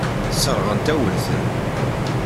Sseṛɣent-awen-ten.